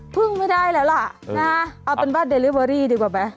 เพิ่งไม่ได้แล้วล่ะเอือเอาเป็นบ้านดิลิเวอร์รี่ดีกว่าบั๊ย